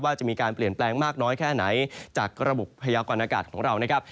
จะมีการเปลี่ยนแปลงมากน้อยแค่ไหนจากระบบพยากรณากาศของเรานะครับ